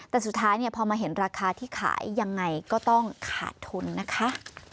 แต่สุดท้ายเนี่ยพอมาเห็นราคาที่ขายยังไงก็ต้องขาดทุนนะคะ